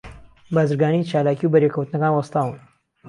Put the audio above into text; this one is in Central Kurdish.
بازرگانی، چالاکی، و بەریەک کەوتنەکان وەستاون